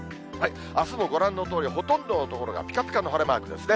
あすもご覧のとおり、ほとんどの所がぴかぴかの晴れマークですね。